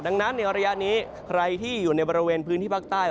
ดังนั้นในระยะนี้ใครที่อยู่ในบริเวณพื้นที่ภาคใต้